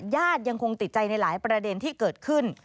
ญาติยังคงติดใจในหลายประเด็นที่เกิดขึ้น